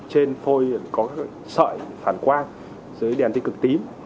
trên phôi có các sợi phản quang dưới đèn thiên cực tím